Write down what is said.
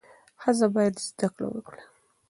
ښځه باید زده کړه وکړي.